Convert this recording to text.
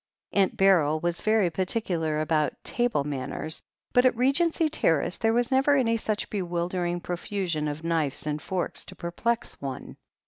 Aunt Beryl was very particular about "table man ners," but at Regency Terrace there was never any such bewildering profusion of knives and forks to perplex one.